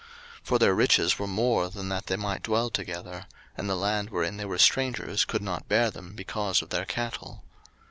01:036:007 For their riches were more than that they might dwell together; and the land wherein they were strangers could not bear them because of their cattle.